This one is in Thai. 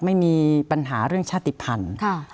ไม่มีปัญหาเรื่องชาติภัณฑ์